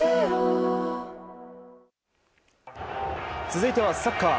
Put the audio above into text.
続いては、サッカー。